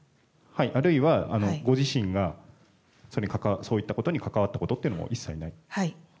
あるいは、ご自身がそういったことに関わったこともはい。